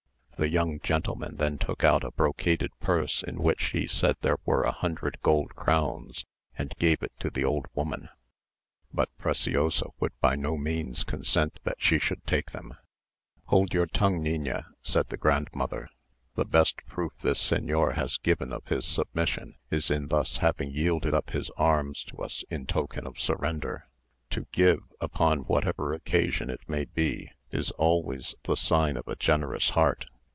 The young gentleman then took out a brocaded purse in which he said there were a hundred gold crowns, and gave it to the old woman; but Preciosa would by no means consent that she should take them. "Hold your tongue, niña," said her grandmother; "the best proof this señor has given of his submission, is in thus having yielded up his arms to us in token of surrender. To give, upon whatever occasion it may be, is always the sign of a generous heart.